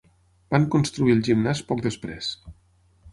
Van construir el gimnàs poc després.